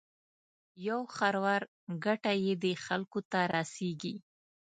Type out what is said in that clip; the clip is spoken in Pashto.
یو خروار ګټه یې دې خلکو ته رسېږي.